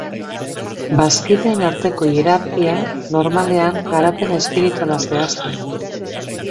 Bazkideen arteko hierarkia normalean garapen espirituala zehazten da.